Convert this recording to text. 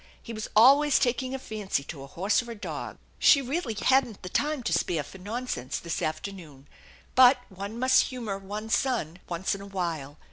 He was always taking a fancy to a horse or a dog. She really hadn't the time to spare for nonsense this after noon, but one must humor one's son once in a while.